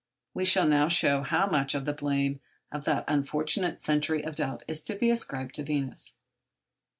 We shall now show how much of the blame of that unfortunate century of doubt is to be ascribed to Venus.